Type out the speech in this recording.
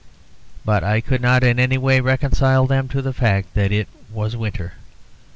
But I could not in any way reconcile them to the fact that it was winter.